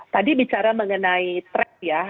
tadi bicara mengenai track ya